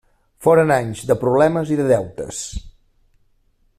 Foren anys de problemes i de deutes.